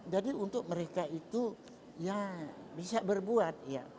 jadi untuk mereka itu ya bisa berbuat